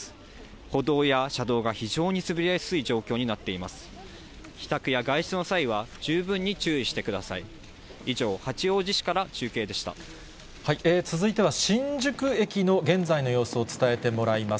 歩道や車道が非常に滑りやすい状況になっています。